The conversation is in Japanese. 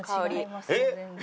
全然。